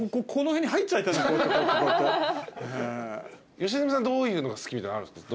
良純さんどういうのが好きみたいなのあるんですか？